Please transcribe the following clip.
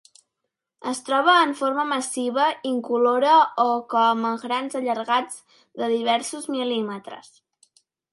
Es troba en forma massiva incolora o com a grans allargats de diversos mil·límetres.